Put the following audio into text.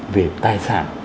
về tài sản